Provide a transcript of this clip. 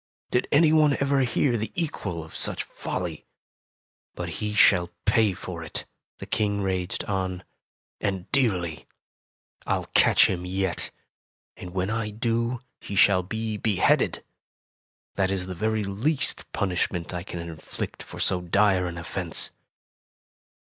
Did any one ever hear the equal of such folly ? But he shall pay for it," the King raged Tales of Modern Germany 65 on, ''and dearly! I'll catch him yet, and when I do he shall be beheaded. That is the very least punishment I can inflict for so dire an offense."